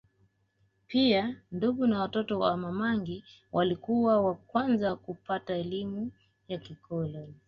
Pia ndugu na watoto wa Ma mangi walikuwa wa kwanza kupata elimu ya kikoloni